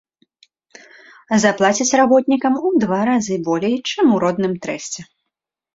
Заплацяць работнікам у два разы болей, чым у родным трэсце.